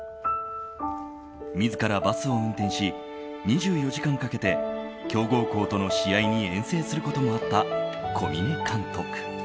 自らバスを運転し２４時間かけて強豪校との試合に遠征することもあった小嶺監督。